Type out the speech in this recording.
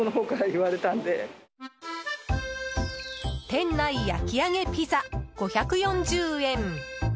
店内焼き上げピザ、５４０円。